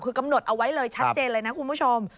คือกำหนดเอาไว้เลยชัดเจนเลยนะคุณผู้ชม